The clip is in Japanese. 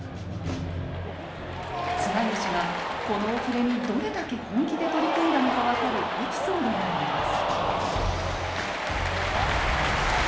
綱吉がこのお触れにどれだけ本気で取り組んだのか分かるエピソードがあります。